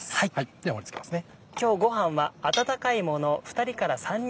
では盛り付けますね。